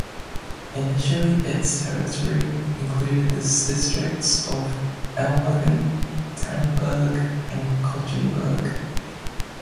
Initially its territory included the districts of Ellwangen, Tannenberg and Kochenburg.